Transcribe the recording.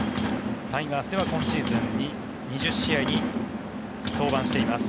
タイガースでは今シーズン２０試合に登板しています。